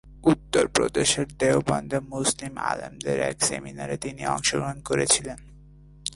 উত্তর প্রদেশের দেওবন্দে মুসলিম আলেমদের এক সেমিনারে তিনি অংশগ্রহণ করেছিলেন।